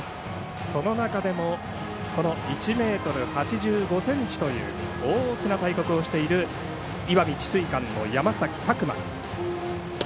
その中でも１ｍ８５ｃｍという大きな体格をしている石見智翠館の山崎琢磨。